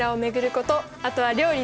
あとは料理です。